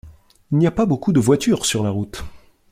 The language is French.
Il n’y a pas beaucoup de voitures sur la route.